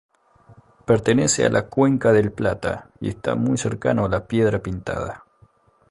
Pertenece a la Cuenca del Plata y está muy cercano a la Piedra Pintada.